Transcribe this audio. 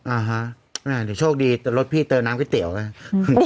อ่าฮะโชคดีแต่รถพี่เตินน้ำก๋วิเตี๋ยวน่ะ